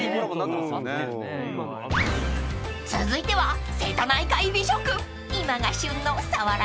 ［続いては］